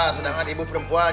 sedangkan ibu perempuan